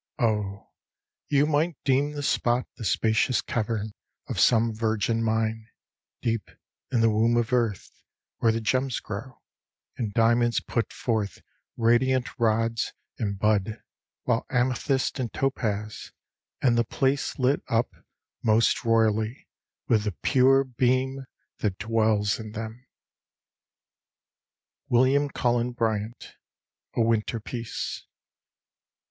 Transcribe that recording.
Oh! you might deem the spot The spacious cavern of some virgin mine, Deep in the womb of earth—where the gems grow, And diamonds put forth radiant rods and bud While amethyst and topaz—and the place Lit up, most royally, with the pure beam That dwells in them. —William Cullen Bryant, "A Winter Piece."